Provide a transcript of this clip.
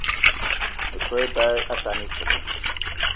Meso á lebá atane ísogò